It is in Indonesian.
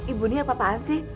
ibu ini apa apaan sih